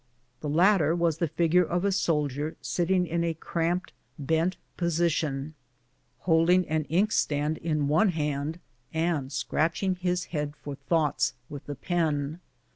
The latter was the figure of a soldier sitting in a cramped, bent position, holding an inkstand in one hand and scratching his head for thoughts, with the pen.